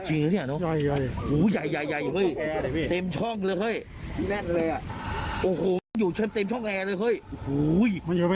เน่ดูสิฮะ